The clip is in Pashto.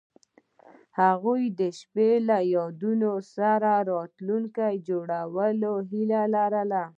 هغوی د شپه له یادونو سره راتلونکی جوړولو هیله لرله.